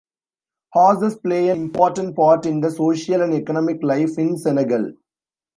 Horses play an important part in the social and economic life in Senegal.